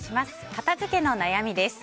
片付けの悩みです。